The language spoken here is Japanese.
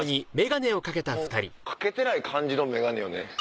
掛けてない感じのメガネよね。